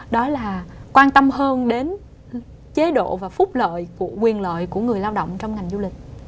đó là quan tâm hơn đến chế độ và phúc lợi của quyền lợi của người lao động trong ngành du lịch